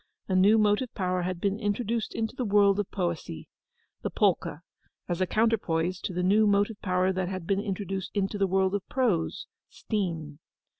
A new motive power had been introduced into the world of poesy—the polka, as a counterpoise to the new motive power that had been introduced into the world of prose—steam.